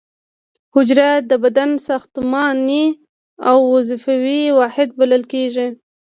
حجره د بدن ساختماني او وظیفوي واحد بلل کیږي